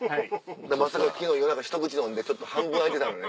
まさか昨日夜中ひと口飲んでちょっと半分開いてたのよね。